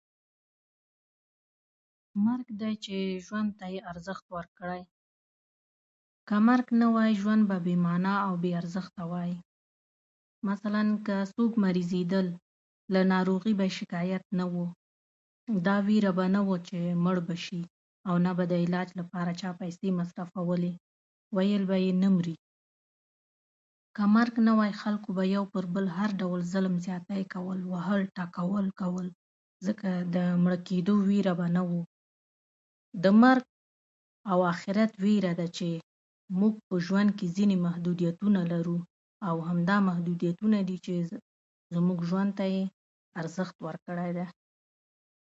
کانونه د افغانستان لويه ملي شتمني ده